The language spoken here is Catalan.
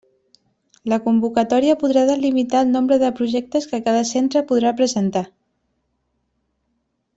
La convocatòria podrà delimitar el nombre de projectes que cada centre podrà presentar.